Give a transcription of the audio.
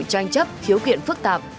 tranh chấp khiếu kiện phức tạp